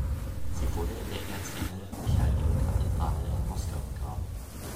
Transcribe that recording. Sie wurde in der Erzengel-Michael-Kathedrale in Moskau begraben.